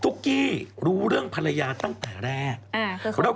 กี้รู้เรื่องภรรยาตั้งแต่แรก